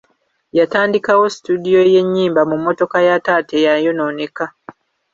Yatandikawo situdiyo y'ennyimba mu mmotoka ya taata eyayonooneka.